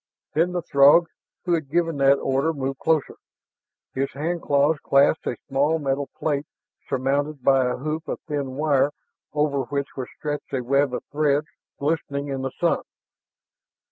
Then the Throg who had given that order moved closer. His hand claws clasped a small metal plate surmounted by a hoop of thin wire over which was stretched a web of threads glistening in the sun.